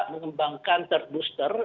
mengembangkan third booster